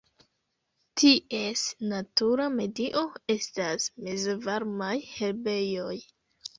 Ties natura medio estas mezvarmaj herbejoj.